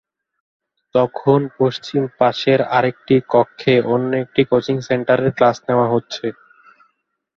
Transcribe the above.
তখন পশ্চিম পাশের আরেকটি কক্ষে অন্য একটি কোচিং সেন্টারের ক্লাস নেওয়া হচ্ছে।